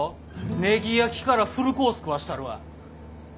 ねぎ焼きからフルコース食わせたるわ！